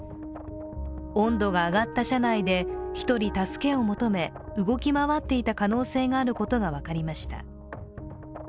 温度が上がった車内で１人、助けを求め動き回っていた可能性があることが分かりました。